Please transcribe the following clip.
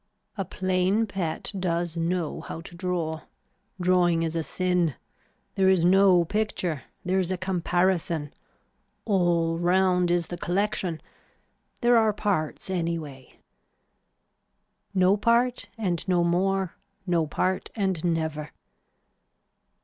A plain pet does know how to draw. Drawing is a sin. There is no picture. There is a comparison. All round is the collection. There are parts anyway. No part and no more, no part and never.